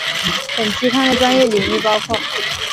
本期刊的专业领域包含